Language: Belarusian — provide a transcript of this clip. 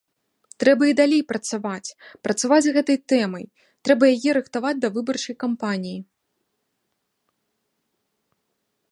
Трэба і далей працаваць, працаваць з гэтай тэмай, трэба яе рыхтаваць да выбарчай кампаніі.